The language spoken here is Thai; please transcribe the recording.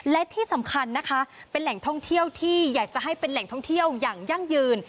และที่สำคัญนะคะเป็นแหล่งท่องเที่ยวที่อยากจะให้เป็นแหล่งท่องเที่ยวอย่างยั่งยืน